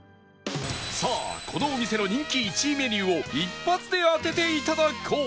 さあこのお店の人気１位メニューを一発で当てていただこう